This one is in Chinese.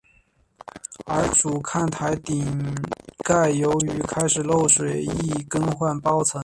而主看台顶盖由于开始漏水亦更换包层。